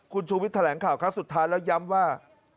คุณชูวิทย์แถลงข่าวครั้งสุดท้ายแล้วย้ำว่า